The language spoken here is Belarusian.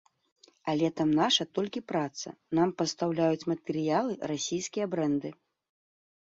Але там наша толькі праца, нам пастаўляюць матэрыялы расійскія брэнды.